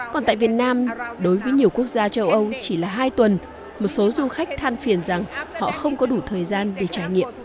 còn tại việt nam đối với nhiều quốc gia châu âu chỉ là hai tuần một số du khách than phiền rằng họ không có đủ thời gian để trải nghiệm